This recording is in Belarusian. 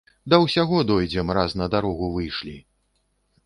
Да ўсяго дойдзем, раз на дарогу выйшлі!